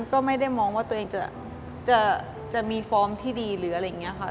ก็ไม่ได้มองว่าตัวเองจะมีฟอร์มที่ดีหรืออะไรอย่างนี้ค่ะ